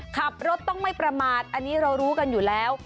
ขับรถต้องไม่ประมาทอันนี้เรารู้กันอยู่แล้ว